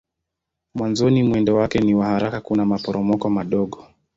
Mwanzoni mwendo wake ni wa haraka kuna maporomoko madogo.